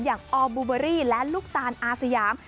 อย่างออมบูเบอรี่และลูกตานอาสยาม